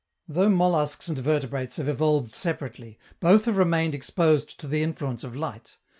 Though molluscs and vertebrates have evolved separately, both have remained exposed to the influence of light.